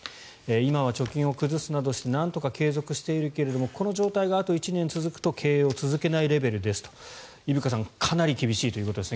今は貯金を崩すなどしてなんとか継続しているけれどこの状態があと１年続くと経営を続けられないレベルですということです。